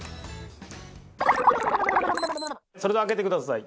それでは開けてください。